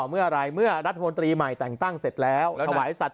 เมื่อไหร่เมื่อรัฐมนตรีใหม่แต่งตั้งเสร็จแล้วถวายสัตว